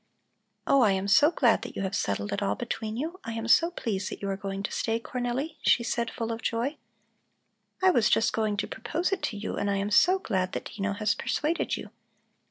"Oh, I am so glad that you have settled it all between you! I am so pleased that you are going to stay, Cornelli," she said, full of joy. "I was just going to propose it to you, and I am so glad that Dino has persuaded you.